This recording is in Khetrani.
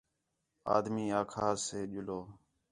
آدمی آکھاس ہے ڄلو